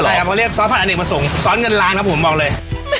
ใช่ครับก็เรียกซอสผัดอเนกประสงค์ซ้อนเงินลายครับผมบอกเลย